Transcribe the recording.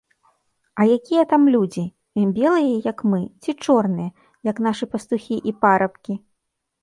А якія там людзі, белыя, як мы, ці чорныя, як нашы пастухі і парабкі?